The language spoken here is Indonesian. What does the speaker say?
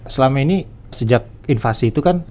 selama ini sejak invasi itu kan